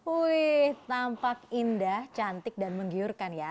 wih tampak indah cantik dan menggiurkan ya